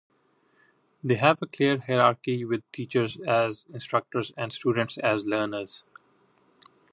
They have a clear hierarchy with teachers as instructors and students as learners.